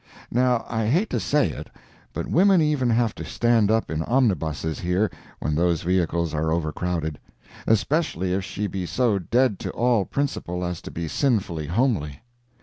Now I hate to say it, but women even have to stand up in omnibuses here when those vehicles are over crowded—especially if she be so dead to all principle as to be sinfully homely.